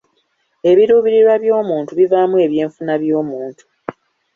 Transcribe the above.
Ebiruubirirwa by'omuntu bivaamu eby'enfuna by'omuntu.